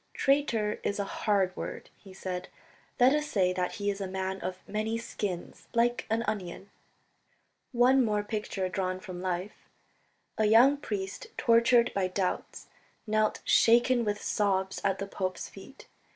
"Traitor is a hard word," he said, "let us say that he is a man of many skins like an onion ...." One more picture drawn from life. A young priest, tortured by doubts, knelt shaken with sobs at the pope's feet.